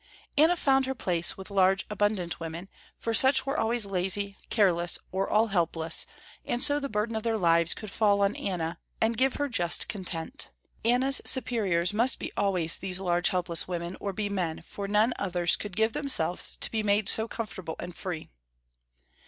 Anna found her place with large, abundant women, for such were always lazy, careless or all helpless, and so the burden of their lives could fall on Anna, and give her just content. Anna's superiors must be always these large helpless women, or be men, for none others could give themselves to be made so comfortable and free.